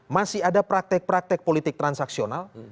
masih ada praktek praktek politik transaksional